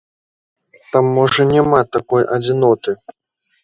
Там можа няма такой адзіноты.